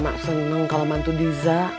mak seneng kalau mantu diza